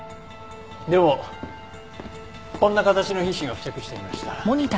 でもこんな形の皮脂が付着していました。